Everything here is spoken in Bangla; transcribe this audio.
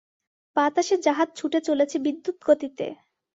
বাতাসে জাহাজ ছুটে চলেছে বিদ্যুৎগতিতে।